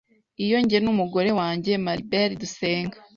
iyo jye n’umugore wanjye Maribel dusenga